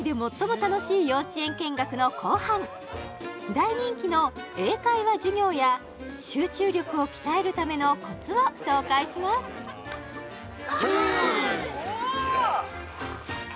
大人気の英会話授業や集中力を鍛えるためのコツを紹介しますトゥース！